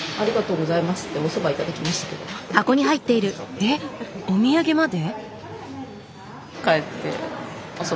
えっお土産まで？